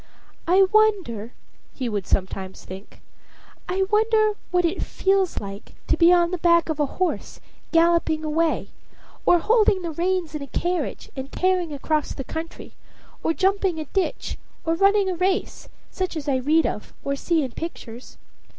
"I wonder," he would sometimes think "I wonder what it feels like to be on the back of a horse, galloping away, or holding the reins in a carriage, and tearing across the country, or jumping a ditch, or running a race, such as I read of or see in pictures.